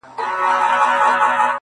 لمبو وهلی سوځولی چنار٫